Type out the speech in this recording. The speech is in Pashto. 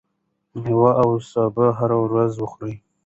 ميوې او سابه هره ورځ وخورئ.